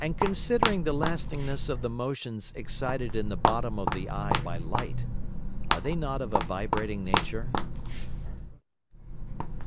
And considering the lastingness of the Motions excited in the bottom of the Eye by Light, are they not of a vibrating nature?